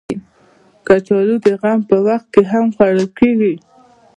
کچالو د غم په وخت هم خوړل کېږي